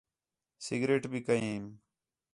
سگریٹ بھی کیئم